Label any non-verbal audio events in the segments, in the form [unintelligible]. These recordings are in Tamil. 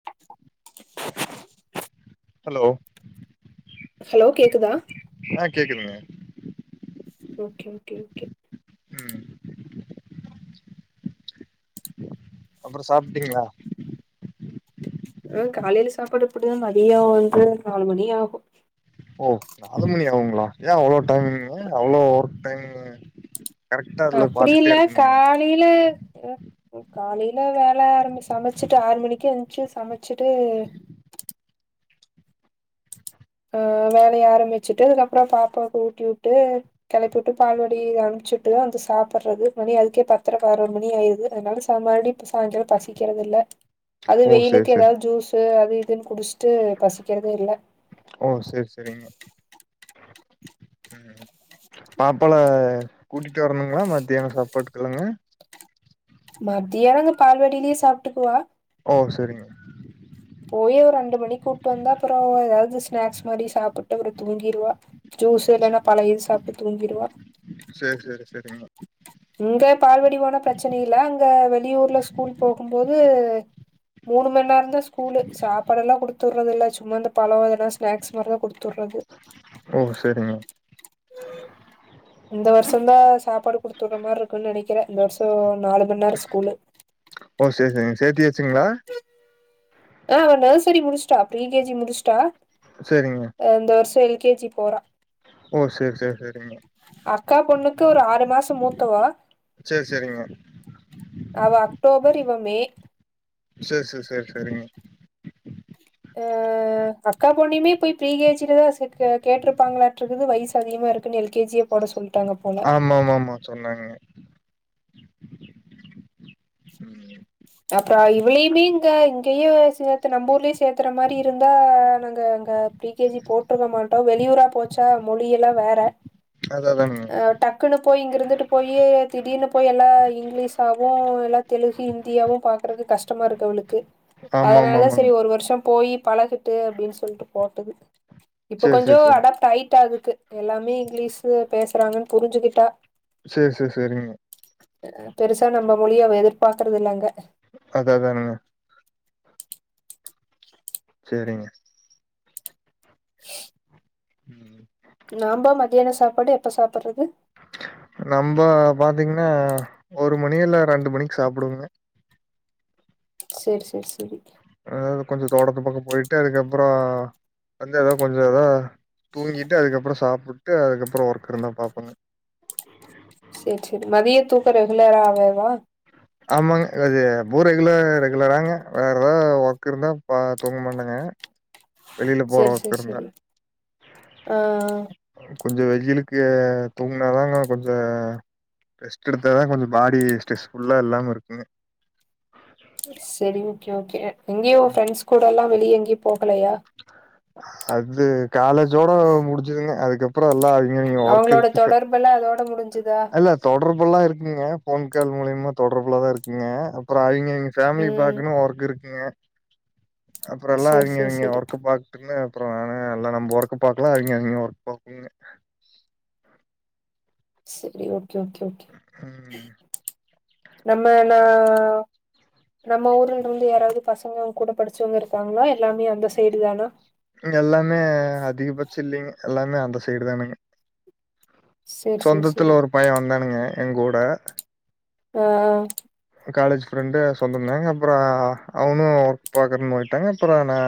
[unintelligible] ஹலோ ஹலோ கேக்குதா ஆ கேக்குது ம ஓகே ஓகே ஓகே உம் அப்புறோ சாப்டீங்ளா ஆ காலேல சாப்பாடு இப்டிதா மதியோ வந்து நாலு மணி ஆகு ஓ நாலு மணி ஆகுங்ளா ஏ அவ்ளோ டைமிங் அவ்ளோ ஒர்க் டைமிங்கு கரெக்டா அதுல பாத்துட்டே இருக்கீங்களா தெரிலே காலைல வேல ஆரம்பிச்சமச்சிட்டு ஆறு மணிக்கே எந்துச்சு சமச்சிட்டு ஆ வேலைய ஆரம்பிச்சுட்டு அதுக்கப்புறோ பாப்பாவுக்கு ஊட்டி உட்டு கெளப்பிவுட்டு பால்வாடி அனுப்ச்சுட்டு வந்து சாப்பட்றது மணி அதுக்கே பத்தர பதனோரு மணி ஆய்ருது அதனால சா மறுப்டியு சாயந்தரோ பசிக்கிறது இல்ல அது ஓ சேரி வெயிலுக்கு சேரி எதாது ஜூஸு அது இதுன் குடிச்சுட்டு பசிக்கிறதே இல்ல ஓ சேரி சேரிங்க ம் பாப்பால கூட்டிட்டு வரணுங்களா மத்தியானோ சப்பாட்டுக்குள்ளாங்க மதியானோ அங்க பால்வாடிலயே சாப்ட்டுக்குவா ஓ சேரிங்க போயி ஒரு ரெண்டு மணி கூப்ட்டு வந்தா அப்புறோ அவ எதாவது ஸ்நாக்ஸ் மாரி சாப்புட்டு அப்புறோ தூங்கிருவா ஜூஸ்ஸு இல்லன்னா பழயதும் சாப்ட்டு தூங்கிருவ சேர் சேரி சரிங்க இங்க பால்வாடி போனா பிரச்சன இல்ல அங்க வெளியூர்ல ஸ்கூல் போகும்போது மூனு மண்நேரதா ஸ்கூல்லு சாப்பாடெல்லா குடுத்து உடுறது இல்ல சும்மா இந்த பழ வகை எல்லா ஸ்நாக்ஸ் மாரி தா குடுத்து உடுறது ஓ சரிங்க இந்த வருஷ தா சாப்பாடு குடுத்துடுற மாரி இருக்குன்னு நெனைக்கிற இந்த வருஷோ நாலு மண்நேர ஸ்கூல்லு ஓ சேரி சேரிங்க சேத்தியாச்சிங்ளா ஆ அவ நர்சரி முடிச்சிட்டா ப்ரீ கே ஜி முடிச்டா சரிங்க ஆ இந்த வருஷோ எல் கே ஜி போறா ஓ செர் செர் செரிங்க அக்கா பொண்ணுக்கு ஒரு ஆறு மாசோ மூத்தவா செர் செரிங்க அவ அக்டோபர் இவ மே சேர் சேர் சேர் சரிங்க எஅ அக்கா பொண்ணையுமே பேய் ப்ரீ கேஜில தா சேக்க கேட்ருப்பாங்களாட்டு இருக்கு வயசு அதிகமா இருக்குனு எல் கேஜியே போட சொல்லு ஆமா ஆமா ஆமா சொன்னாங்க ம் ம் ம் அப்ரா இவ்ளேயுமே இங்க இங்கயே ஒரு சேத்து நம்ம ஊர்லயே சேத்துற மாரி இருந்தா நாங்க அங்க ப்ரீ கே ஜி போட்ருக்க மாட்டோ வெளியூரா போச்சா மொழியெல்லா வேற அது அதானுங்க அ டக்குன்னு போய் இங்கிருந்துட்டு போயி திடீர்னு போய் எல்லா இங்கிலீஷ் ஆவு எல்லா தெலுகு ஹிந்தியாவு பாக்கறக்கு கஷ்டமா இருக்கு அவளுக்கு ஆமா ஆமா அதனாலதா ஆமாங்க சரி ஒரு வருஷோ போய் பழகட்டு அப்டின்னு சொல்ட்டு போட்டது இப்ப சேரி கொஞ்சோ சேரி சேரிங்க அடாப்ட் ஆயிட்டா அதுக்கு எல்லாமே இங்கிலீஷு பேசுறாங்கன்னு புரிஞ்சுகிட்டா சேர் சேர் சேரிங்க அ அ பெருசா நம்மோ மொழிய அவ எதிர்பாக்குறது இல்லங்க அதா தானுங்க செரிங்க ம் உம் நாம்ப மதியானம் சாப்பாடு எப்ப சாப்புட்றது நம்ப பாத்தீங்கன்னா ஒரு மணி இல்ல ரெண்டு மணிக்கு சாப்புடுவோங்க செரி செரி செரி அதாவது கொஞ்சம் தோட்டத்து பக்கம் போயிட்டு அதுக்கப்புறோ வந்து எதோ கொஞ்சம் எதோ தூங்கிட்டு அதுக்கப்புறம் சாப்ட்டு அதுக்கப்புறம் ஒர்க் இருந்தால் பாப்போங்க சேரி சேரி மதிய தூக்கம் ரெகுலராகவா ஆமாங்க அது எப்போ ரெகுலர் ரெகுலராங்க வேற ஏதாவது ஒர்க் இருந்தா தூங்க மாட்டங்க வெளில போற சேரி சேரி ஒர்க் இருந்தா சேரி ஆ கொஞ்சம் வெயிலுக்கு தூங்கினாதாங்க கொஞ்ச ரெஸ்ட் எடுத்தா தா கொஞ்சம் பாடி ஸ்ட்ரெஸ் ஃபுல்லா இல்லாம இருக்குங்க சரி ஓகே ஓகே எங்கேயோ ஃப்ரெண்ட்ஸ் கூட எல்லா வெளியே எங்கியு போகலையா அது காலேஜோட முடிஞ்சதுங்க அதுக்கப்ரோ எல்லா அது ஐயையோ ஒர்க் அவங்களோட இருக்கு சர் தொடர்பெல்லா அதோட முடிஞ்சுதா தொடர்புலதா இருக்குங்க ஃபோன் கால் மூலியமா தொடர்புலதா இருக்குங்க அப்புறம் அவிங்க எங்க ஃபேமிலி ம் பாக்கனு ஒர்க் ங்க [inaudible] அப்புறம் எல்லாம் சேரி அவிங்க சேரி அவிங்க சேரி ஒர்க் பாட்டுனு அப்புறோ எல்லாம் நம்ம ஒர்க்க பாக்கலாம் அவிங்க அவிங்க ஒர்க் பாக்கணும்ங்க சேரி ஓகே ஓகே உம் நம்ம நா நம்ம ஊர்ல வந்து யாராவது பசங்க கூட படிச்சவுங்க இருக்காங்களா எல்லாமே அந்த சைடு தானா எல்லாமே அதிகபட்சம் இல்லைங்க எல்லாமே அந்த சைடு தானங்க சேரி சேரி சேரி சொந்தத்துல ஒரு பையன் வந்தானுங்க எங் கூட ஆ காலேஜ் ஃப்ரெண்டு சொந்தந்தாங்க அப்புறம் அவனும் ஒர்க் பாக்குறன்னு போயிட்டாங்க அப்புறம் நா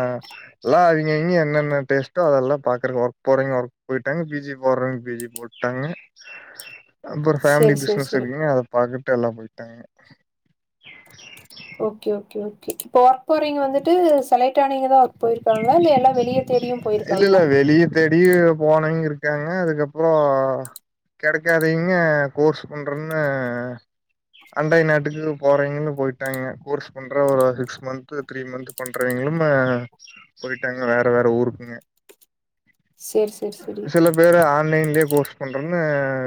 எல்லாம் அவிங்க அவிங்க என்னென்ன டேஸ்டோ அதெல்லாம் பாக்குறக்கு ஒர்க் போறவிங்க ஒர்க் போயிட்டாங்க பிஜி போறவிங்க பிஜி போ ட்டாங்க [inaudible] அப்புறம் ஃபேமிலி சேரி சேரி பிசனஸ் சேரி இருக்குன்னு அத பாத்துட்டு எல்லாம் போயிட்டாங்க ஓகே ஓகே ஓகே இப்போ ஒர்க் போறீங்க வந்துட்டு செலக்ட் ஆனீங்கதான் ஒர்க் போயிருக்காங்களா இல்ல எல்லா வெளிய தேடியும் போயிருக்காங்களா தைடி போனவிங்க இருக்காங்க அதுக்கப்புறம் கெடைக்காதவீங்க கோர்ஸ் பண்றன்னு அண்டை நாட்டுக்கு போறவிங்கன்னு போய்ட்டாங்கங்க கோர்ஸ் பண்ற ஒரு சிக்ஸ் மந்த் த்ரீ மந்த்த் பண்றவிங்களும் போயிட்டாங்க வேற வேற ஊருக்குங்க சேரி சேரி சேரி. சில பேரு ஆன்லைனலே கோர்ஸ் பண்றவுங்க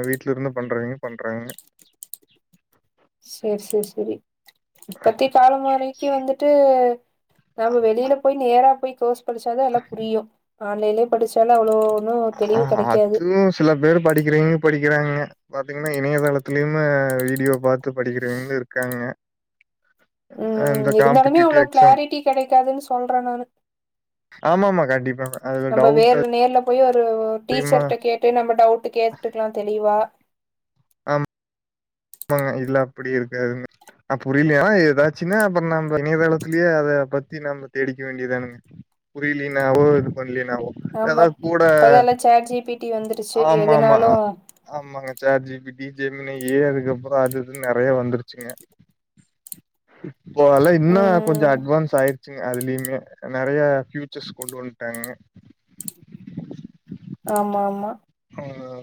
வீட்ல இருந்து பண்றவிங்க பண்றாங்கங்க சேரி சேரி சேரி இப்பத்தி காலம் வரைக்கு வந்துட்டு நம்ம வெளியில போய் நேரா போய் கோர்ஸ் படிச்சாதான் எல்லாம் புரியும் ஆன்லைன்லயே படிச்சாலும் அவ்ளோ இன்னும் ஆ தெளிவு கெடைக்காது அதுவு சில பேர் படிக்கிறீங்க படிக்கிறாங்கங்க பாத்தீங்கன்னா இணையதளத்துலயுமே வீடியோ பாத்து படிக்கிறவிங்களும் இருக்காங்கங்க ம் இருந்தாலுமே அவ்வளோ காம்படிட்டிவ் எக்ஸாம் கிளாரிட்டி கெடைக்காதுன்னு சொல்ற நானு ஆமா ஆமா கண்டிப்பா நம்ம வேறு நேர்ல போய் ஒரு அதிகமா டீச்சர்ட்ட கேட்டு நம்ம டவுட் கேட்டுக்கலா தெளிவா இப்ப இல்ல அப்டி இருக்காதுங்க‌ என்ன புரியலையா ஏதாச்சுன்னா அப்றோ நம்ம இணையதளத்துலயே அத பத்தி நம்ம தேடிக்க வேண்டியதானுங்க புரியலனாவோ இது பன்லினாவோ ஆமா இப்பதான சேட் ஜி பி டி வந்துருச்சு ஆமாமா எதுனாலு ஆமாங்க chat G B D Gemini ஏ அதுக்குப்புற அது இதுனு நறையா வந்துருச்சுங்க இப்போ அதல்லா இன்னோ கொஞ்சோ ம் அட்வான்ஸ் ஆயிட் அதுலயுமே நிறய ஃபியூச்சர்ஸ் கொண்டு வந்துட்டாங்க ஆமா ஆமா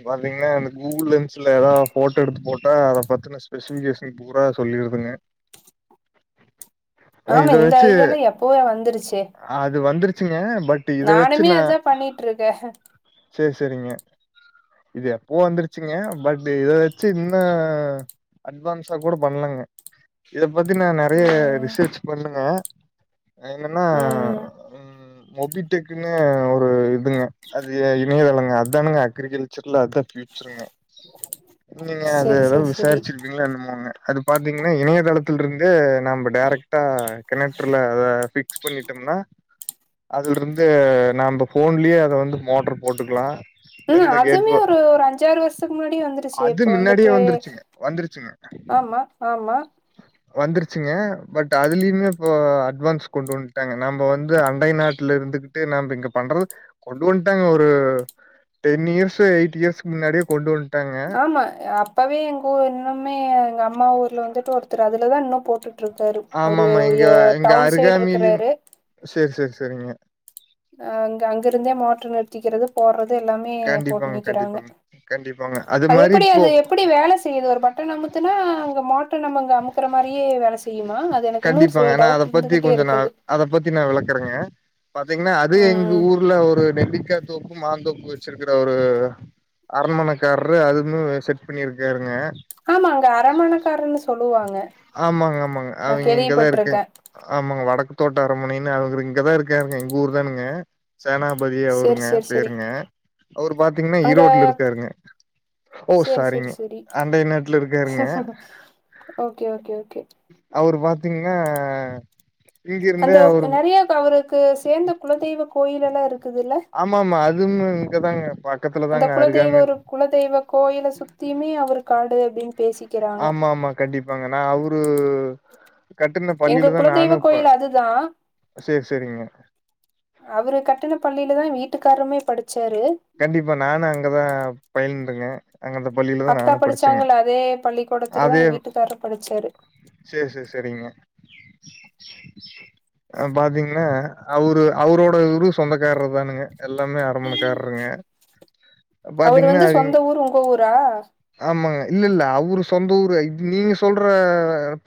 பாத்தீங்கன்னா இந்த கூகுள் லென்ஸ்ல ஏதாவது போட்டோ எடுத்து போட்டா அத பாத் ஸ்பெசிபிகேஷன் பூரா சொல்லிருதுங்க இத ஆமா இந்த வச்சு இதலா எப்பவே வந்துருச்சே அது வந்துருச்சுங்க பட் இத நானுமே அதா பண்ணிட்டு இருக்க சேர் சேரிங்க இது எப்போ வந்துருச்சுங்க பட் இத வச்சு இன்னு அட்வான்ஸா கூட பண்லாங்க இத பத்தி நா நிறய ம் ரிசர்ச் பண்ணுங்க அது என்னன்னா ம் ஒபி ட்டுக்குன்னு ஒரு இதுங்க அது இணையதளங்க அதானுங்க க்ரிகல்ச்சர்ல அதா திருப்பி சொன்னே [unintelligible] நீங்க அது செரி ஏதோ செரி செரி விசாரிச்சிருங்க இல்ல என்னமோங்க அது பாத்தீங்கன்னா இணையதளத்தில இருந்தே நாம டேரைக் ட்டா கனக்டர்ல அத பிக் பிக்ஸ் பண்ணிட்டோம்னா அதுல இருந்து நம போஃன்லயே அத வந்து மோட்டர் போட்டுக்கலா ம் எந்த அதுமே கேட்வோ ஒரு ஒரு அஞ்சாறு வருஷத்துக்கு முன்னாடி வந்து அது முன்னாடியே வந்துருச்சுங்க வந்துருச்சுங்க ஆமா ஆமா வந்துருச்சுங்க பட் அதுலயுமே இப்போ அட்வான்ஸ் கொண்டு வண்ட்டாங்க நம்ம வந்து அண்டை நாட்டு ல இருந்துகிட்டு நாம இங்க பண்றது கொண்டு வன்ட்டாங்க ஒரு டென் இயர்ஸ எயிட் இயர்ஸ்கு முன்னாடியே கொண்டு வன்ட்டாங்க ஆமா அப்பவே எங்க ஊர் இன்னுமே எங்க அம்மா ஊர்ல வந்துட்டு ஒருத்தர் அதுல தா இன்னு போட்டு இருக்காரு அவரு ஆமாமா எங்க எங்க டவுன் எ சைட் அருகாமையிலயும் இருக்றாரு சேரி சேரி சேரிங்க அ அங்க அங்கிருந்தே மாட்ருவே கேக்கறத போடுறது எல்லாமே போட்டு கண்டிப்பாங்க நிக்கிறாங்க கண்டிப்பாங்க கண்டிப்பாங்க அது மாரி எப்டி இப்போ அது எப்டி வேல இது ஒரு பட் டன் அமுத்துனா அங்க மாட் டு நம்ம இங்க இருக்கிற மாதிரி வேலை செய்யுமா அது எனக்கு இன்னு ஒரு சில கண்டிப்பாங்க நா அத டவுட் பத்தி இருந்துகிட்டே கொஞ்ச நா இருக்குது அத பத்தி நா விளக்குறேங்க பாத்தீங்கன்னா அது ம் எங்க ம் ஊர்ல ஒரு நெம்பிக்கா தோப்பு மாந்தோப்பு வச்சிருக்கிற ஒரு அரண்மனைக்காரரு அதுமே செட் பண்ணியிருக்காருங்க ஆமா அங்க அரமணக்காரன்னு சொல்லுவாங்க ஆமாங்க ஆமாங்க நா அவங்க இங்கதா இருக்காங்க கேள்விப்பட்டிருக்கே ஆமாங்க வடக்கு தோட்ட அரமணை ன்னு அவங்க இங்கதா இருக்காருங்க எங்க ஊர் தானுங்க சேனாபதி சேரி அவருங்க சேரி சேரி பேருங்க அவரு பாத்தீங்கன்னா அங்க ஈரோட்ல இருக்கறாருங்க ஓ சேரி சேரி சாரிங்க சேரி அந்த எண்ணத்தில இருக்காருங்க ஓகே ஓகே ஓகே அவரு பாத்தீங்கன்னா இங்கிருந்தே அந்தோ அவரு நறீயா க அவருக்கு சேந்த குலதெய்வ கோயிலெல்லா இருக்குதுல்ல ஆமா ஆமா அதுவு இங்கதாங்க பா அந்த குலதெய்வ ஒரு குலதெய்வ கோயில சுத்தியுமே அவரு காடு அப்டீன்னு பேசிக்கிறாங்க கண்டிப்பாங்கன்னா அவுரு கட்டுன எங்க பள்ளிலதா நானு குலதெய்வ இப்ப கோயில் அதுதா செரி செரிங்க அவரு கட்டுண பள்ளியிலதா வீட்டுக்காருமே படிச்சாரு கண்டிப்பா நானு அங்கதா பயின்றுங்க அங்க அந்த பள்ளியில தா அக்கா நானு படிச்சங்க படிச்சாங்கல்ல அதே பள்ளிக்கூடத்துலதா எங்க வீட்டுக்காரு படிச்சாரு செர் செர் செரிங்க [inaudible] அ பாத்தீங்கன்னா அவரு அவரோட ஊரு சொந்தக்காரர் தானுங்க எல்லாமே அரமணக்கார் அவுரு வந்து அவிங் சொந்த ஊரு உங்க ஊரா ஆமாங்க இல்ல இல்ல அவுரு சொந்த ஊரு நீங்க சொல்ற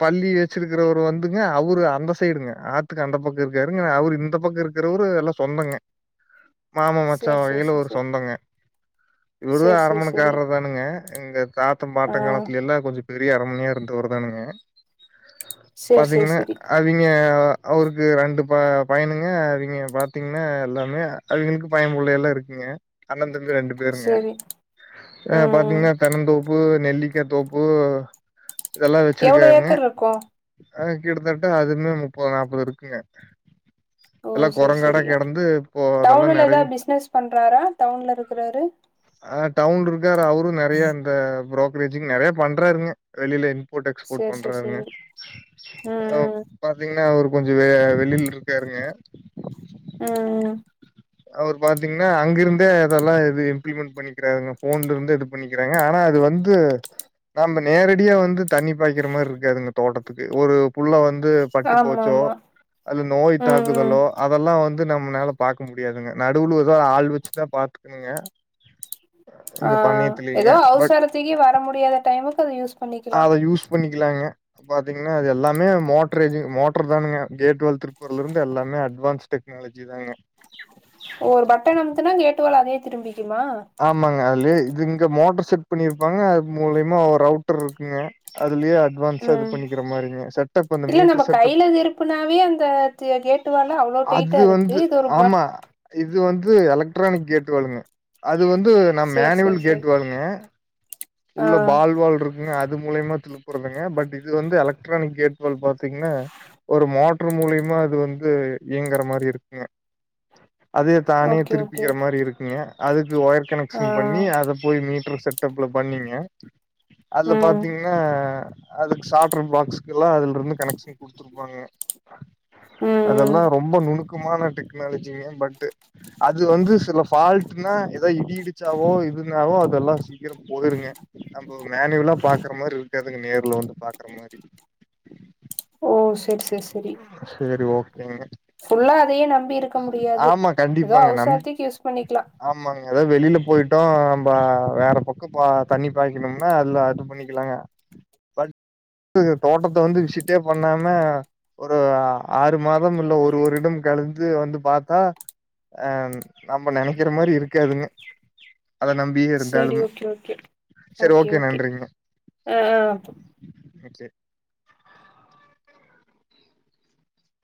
பள்ளி வச்சி இருக்குறவரு வந்துங்க அவரு அந்த சைடுங்க ஆத்துக்கு அந்த பக்கொ இருக்காருங்க அவரு இந்த பக்கொ இருக்குறவரு எல்லா சொந்தங்க [inaudible] மாம மச்சா சேரி சேரி வகையில ஒரு சேரி சொந்தங்க இவருதா சேரி சேரி சேரி சேரி அரமணக்காரர் தானுங்க எங்க தாத்த ஆ பாட்ட காலத்துல எல்லா கொஞ்சோ பெரிய அரமனையா இருந்தவரு தானுங்க சேரி சேரி பாத்தீங்கன்னா சேரி அவிங்க அவருக்கு ரெண்டு ப பயனுங்க அவிங்க பார்த்தீங்கன்னா எல்லாமே அவிங்களுக்கு பயன் புள்ள எல்லா இருக்குங்க அண்ண தம்பி ரெண்டு பேருங்க சேரி ஆ ம் பாத்தீங்கன்னா தென்னந்தோப்பு நெல்லிக்கா தோப்பு இதெல்லா எவ்ளோ வெச்சிருக்காங்க ஏக்கர் இருக்கு ஆ கிட்டத்தட்ட அதுவுமே முப்பது நாப்பது இருக்குங்க ஓ எல்லா சேரி கொரங்காட்டோ சேரி கெடந்து இப்போ நல்லா டவுன்ல ஏதா நெறவி பிசினஸ் பண்றாரா டவுன்லருந் ஆ டவுன்ல இருக்காரு அவரு நறைய இந்த புரோக்கரேஜூக்கு நறையா பண்றாருங்க வெளில இம்போர்ட் எக்ஸ்போர்ட் சேரி சேரி பண்றாங்க சேரி ம் பாத்தீங்கன்னா அவரு கொஞ்சோ அ வெளில இருக்காருங்க ஆ அவரு பாத்தீங்கன்னா அங்க இருந்தே அதெல்லா இம்ப்ளிமென்ட் பண்ணிக்கிறாருங்க ஃபோன்ல இருந்தே எடுப்பாரு பண்ணிக்குறாங்க ஆனா அது வந்து நாம்ம நேரடியா வந்து தண்ணி பாய்க்கிற மாரி இருக்காதுங்க தோட்டத்துக்கு ஒரு புள்ள வந்து பட்டு ஆமா போச்சோ ஆமா இல்ல அது நோய் ம் ம் தாக்குதலோ அதெல்லா வந்து நம்ம நாளா பாக்க முடி யாதுங்க நடுவுலதா ஆள் வெச்சுதா பாத்துக்கனுங்க அ எதோ பட் அவ்சரத்திக்கி வர முடியாத டைமுக்கு அது யூஸ் பண்ணிக்குலா பண்ணிக்குலாங்க ப்ப பாத்தீங்கன்னா அது எல்லாமே மோட்ரேஜ் மோட்ரு தானுங்க கேட்வால் திருப்புறதுல இருந்து எல்லாமே அட்வான்ஸ் டெக்ங்க ஃப்லெஜ்ஜி தாங்க ஓ ஒரு பட்டன அமுத்துனா கேட்டுவாலு அதுவே திரும்பிக்குமா ஆமாங்க அதுலயே இது இங்க மோட்ரு செட் பண்ணிருப்பாங்க அது மூலயமா ஒரு அவுட்ரு இருக்குங்க அதுலயே அட்வான்ஸா இது ம் பண்ணிக்கிற மாரிங்க செட்டப் அந்த இல்ல நம்ம மீட்ரு செட்டப் கையில திருப்புனாவே அந்த தி- கேட்டு வால அவ்ளோ டைட்டா அது இருக்கு வந்து இது ஒரு பட் ஆமா இது வந்து எலக்ட்ரானிக் கேட் வாளுங்க அது வந்து நா சேரி மேனுவல் சேரி கேட் சேரி வாளுங்க ஆ உள்ள பால் வால் இருக் குங்க அது மூலியமா திருப்புறதுங்க பட்டு இது வந்து எலக்ட்ரானிக் கேட் வால் பாத்தீங்கன்னா ஒரு மோட்ரு மூலியமா அது வந்து இயங்குற மாரி இருக்குங்க அதே தானே ஓகே ஓகே திருப்பிக்கிற ஓகே மாரி இருக்குங்க அதுக்கு ஒயர் கனெக் ஆ க்ஷன் பண்ணி அத போய் மீட்டர் செட்டப்ல பண்ணீங்க அதுல ம் பாத்தீங்ன்னா அது சாட்ரு பாக்சுக்லா அதுல இருந்து கனெக்க்ஷன் குடுத்துற்ப்பாங்க ம் ம் அதெல்லா ரொம்ப நுணுக்கமான டெக்னாலஜி பட்டு அது வந்து சில ஃபால்ட்டுனா ஏதா இடி இடிச்சாவோ இதுனாவோ அதெல்லா சீக்கிரோ போயிருங்க நம்ம மேனூலா பாக்குற மாரி இருக்காதுங்க நேர்ல வந்து பாக்குற மாரி ஓ செர் செர் செரி எங்கங்க ஃபுல்லா அதயே நம்பி இருக்க முடியாது ஏதோ கண்டிப்பாங்க நம் அவுசாரத்துக் யூஸ் பண்ணிக்லா ஆமாங்க ஏதா வெளில போயிட்டோ நம்ப வேற பக்க பா தண்ணி பாய்க்ணுனா அதுல அது பண்ணி நிக்கலாங்க பட் தோட்டத்த வந்து விசிட்டே பண்ணாம ஒரு ஆறு மாதம் இல்ல ஒரு வருடம் கழித்து வந்து பாத்தா ஆ நம்ப நெனைக்ற மாரி இருக்காதுங்க அத நம்பியே சேரி இருந்தாலு ஓகே ஓகே சரி ஓகே நன்றிங்மா ஆ ஆ சேர்